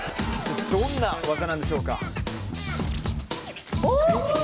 どんな技なんでしょうか。